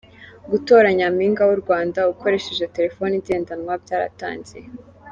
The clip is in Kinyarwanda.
Gutora Nyaminga w’U Rwanda ukoresheje telefoni igendanwa byaratangiye